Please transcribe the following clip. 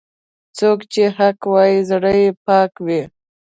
څوک چې حق وايي، زړه یې پاک وي.